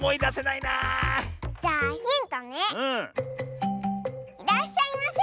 いらっしゃいませ。